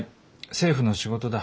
政府の仕事だ。